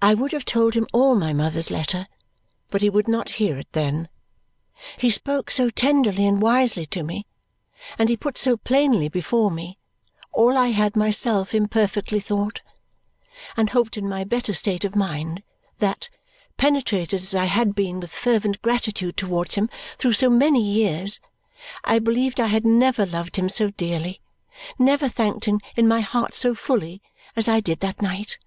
I would have told him all my mother's letter, but he would not hear it then. He spoke so tenderly and wisely to me, and he put so plainly before me all I had myself imperfectly thought and hoped in my better state of mind, that, penetrated as I had been with fervent gratitude towards him through so many years, I believed I had never loved him so dearly, never thanked him in my heart so fully, as I did that night.